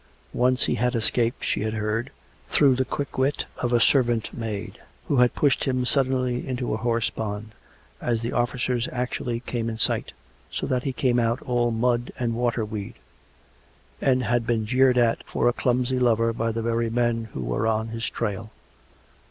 Once he had escaped, she had heard, through the quick wit of a servant maid, who had pushed him suddenly into a horse pond, as the officers actually csime in sight, so that he came out all mud and water weed; and had been jeered at for a clumsy lover by the very men who were on his trail.